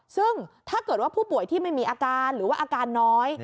ซึ่งถ้าเกิดว่าผู้ป่วยที่ไม่มีอาการหรือว่าอาการน้อย